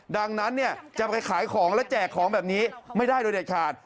ดังนั้นเนี่ยจะไปขายของและแจกของแบบนี้ไม่ได้โดยเด็ดขาด